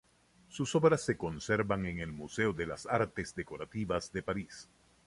Sus obras se conservan en el Museo de las Artes Decorativas de París.